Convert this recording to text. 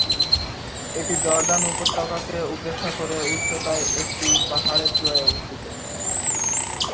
এটি জর্ডান উপত্যকাকে উপেক্ষা করে উচ্চতায় একটি পাহাড়ের চূড়ায় অবস্থিত।